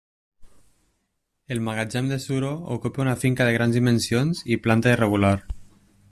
El magatzem de suro ocupa una finca de grans dimensions i planta irregular.